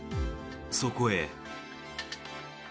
そこへ。